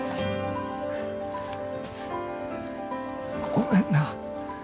ごめんな